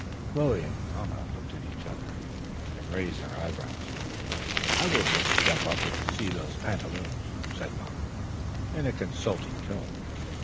Chloe and mamma looked at each other, and raised their eyebrows. "I will just step up and see those pantaloons," said mamma, in a consulting tone.